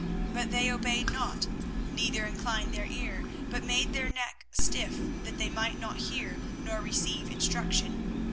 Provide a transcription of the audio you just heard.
24:017:023 But they obeyed not, neither inclined their ear, but made their neck stiff, that they might not hear, nor receive instruction.